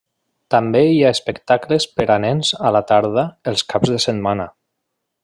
També hi ha espectacles per a nens a la tarda els caps de setmana.